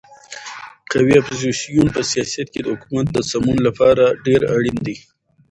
قوي اپوزیسیون په سیاست کې د حکومت د سمون لپاره ډېر اړین دی.